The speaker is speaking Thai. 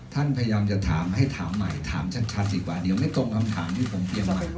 พยายามจะถามให้ถามใหม่ถามชัดดีกว่าเดี๋ยวไม่ตรงคำถามที่ผมเตรียมไว้